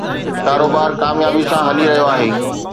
ڪاروبار ڪاميابي سان هلي رهيو آهي